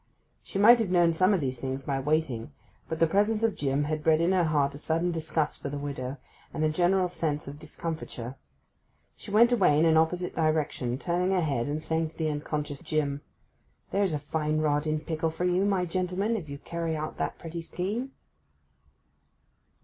She might have known some of these things by waiting; but the presence of Jim had bred in her heart a sudden disgust for the widow, and a general sense of discomfiture. She went away in an opposite direction, turning her head and saying to the unconscious Jim, 'There's a fine rod in pickle for you, my gentleman, if you carry out that pretty scheme!